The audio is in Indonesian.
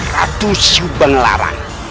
ratu sumbang larang